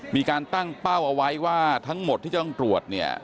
มีการตั้งเป้าเอาไว้ว่าทั้งหมดที่จะต้องตรวจเนี่ย